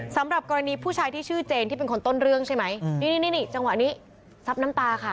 สำหรับกรณีผู้ชายที่ชื่อเจนที่เป็นคนต้นเรื่องใช่ไหมนี่นี่จังหวะนี้ซับน้ำตาค่ะ